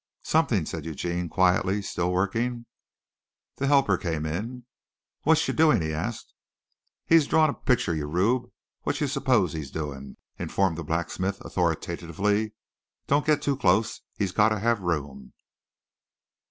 "Something," said Eugene quietly, still working. The helper came in. "Watcha' doin'?" he asked. "He's drawin' a pitcher, ya rube, watchye suppose he's doin'," informed the blacksmith authoritatively. "Don't git too close. He's gotta have room."